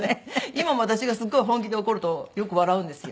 今も私がすごい本気で怒るとよく笑うんですよ。